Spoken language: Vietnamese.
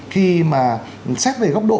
khi mà xét về góc độ